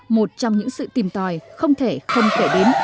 một trong những sự tìm tòi không thể không kể đến